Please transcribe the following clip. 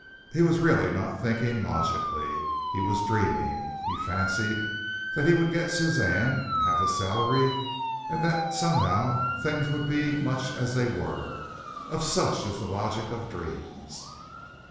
He was really not thinking logically. He was dreaming. He fancied that he would get Suzanne and have his salary, and that somehow things would be much as they were. Of such is the logic of dreams.